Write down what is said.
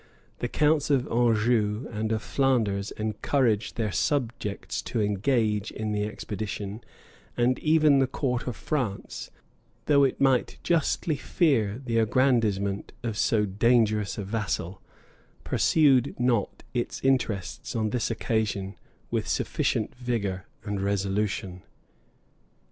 The counts of Anjou and of Flanders encouraged their subjects to engage in the expedition; and even the court of France, though it might justly fear the aggrandizement of so dangerous a vassal, pursued not its interests on this occasion with sufficient vigor and resolution.